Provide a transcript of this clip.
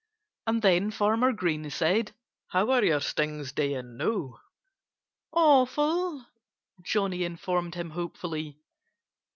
And then Farmer Green said: "How are your stings now?" "Awful!" Johnnie informed him hopefully.